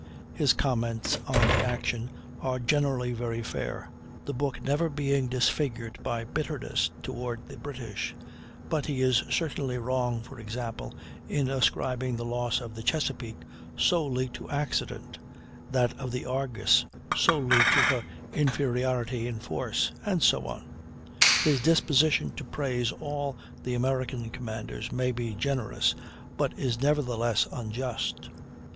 His comments on the actions are generally very fair, the book never being disfigured by bitterness toward the British; but he is certainly wrong, for example, in ascribing the loss of the Chesapeake solely to accident, that of the Argus solely to her inferiority in force, and so on. His disposition to praise all the American commanders may be generous, but is nevertheless unjust.